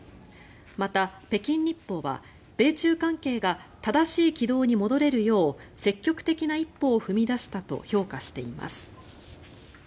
また、北京日報は米中関係が正しい軌道に戻れるよう積極的な一歩を踏み出したと評価しています。